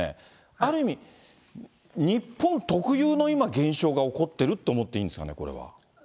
ある意味、日本特有の今、現象が起こってるって思っていいんですかね、これは。